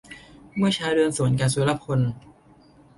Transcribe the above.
เมื่อเช้าเดินสวนกะ สุรพล